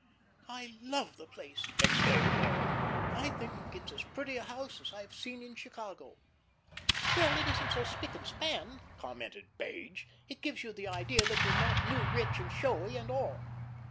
"I love the place," exclaimed Laura. "I think it's as pretty a house as I have seen in Chicago." "Well, it isn't so spick and span," commented Page. "It gives you the idea that we're not new rich and showy and all."